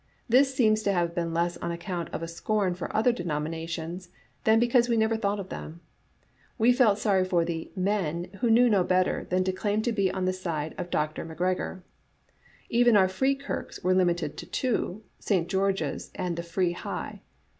This seems to have been less on account of a scorn for other denominations than because we never thought of them. We felt sorry for the *men' who knew no better than to claim to be on the side of Dr. Macgregor. Even our Free kirks were limited to two, St. George's and the Free High.